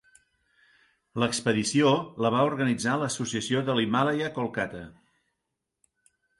L'expedició la va organitzar l'Associació de l'Himàlaia, Kolkata.